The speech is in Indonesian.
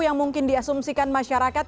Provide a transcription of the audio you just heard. yang mungkin diasumsikan masyarakat